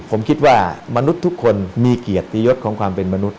ผมคิดว่ามนุษย์ทุกคนมีเกียรติยศของความเป็นมนุษย